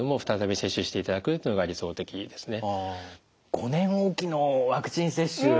５年おきのワクチン接種。